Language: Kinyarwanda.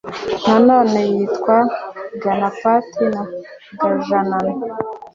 nanone yitwa ganapati na gajanana